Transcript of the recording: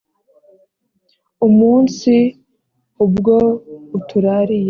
umunsi ubwo uturariye